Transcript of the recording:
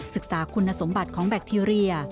ศึกษาคุณสมบัติของแบคทีเรีย